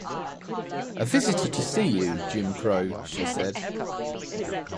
“A visitor to see you, Jim Crow,” she said.